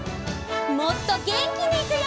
もっとげんきにいくよ！